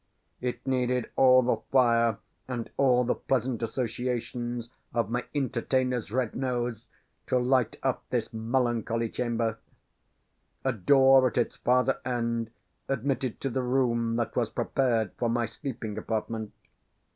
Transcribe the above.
It needed all the fire, and all the pleasant associations of my entertainer's red nose, to light up this melancholy chamber. A door at its farther end admitted to the room that was prepared for my sleeping apartment.